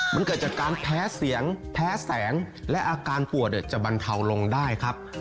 มันเกิดจากการแพ้เสียงแพ้แสงและอาการปวดจะบรรเทาลงได้ครับ